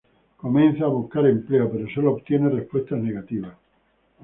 Comienza a buscar empleo, pero solo obtiene respuestas negativas.